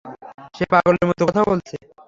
সে পাগলের মতো কথা বলছে।